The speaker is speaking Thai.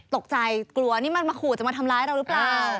ตกใจกลัวนี่มันมาขู่จะมาทำร้ายเราหรือเปล่า